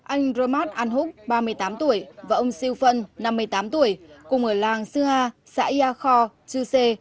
anh romad anh húc ba mươi tám tuổi và ông siêu phân năm mươi tám tuổi cùng ở làng xưa a xã ia kho chư xê